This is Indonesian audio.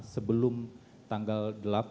sebelum tanggal delapan